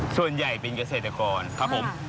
ส่วนใหญ่เป็นเกษตรกรครับผม